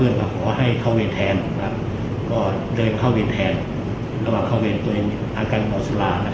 เดินมาเข้าเวียนแทนระหว่างเข้าเวียนตัวเองอาการงรสุรา